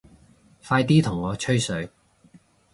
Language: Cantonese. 快啲同我吹水